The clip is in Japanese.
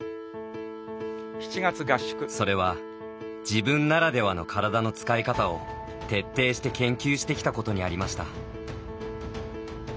それは、自分ならではの体の使い方を徹底して研究してきたことにありました。